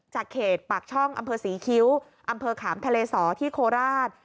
เขตปากช่องอำเภอศรีคิ้วอำเภอขามทะเลสอที่โคราช